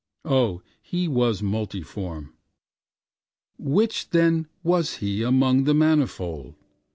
Oh, he was multiform—Which then was he among the manifold?